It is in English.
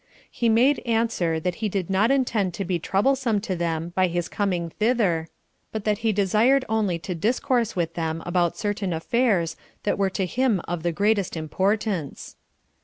He made answer, that he did not intend to be troublesome to them by his coning thither, but that he desired only to discourse with them about certain affairs that were to him of the greatest importance.